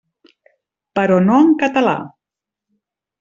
Però no en català.